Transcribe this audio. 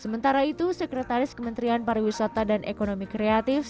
sementara itu sekretaris kementerian pariwisata dan ekonomi kreatif